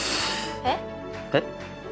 えっ？えっ？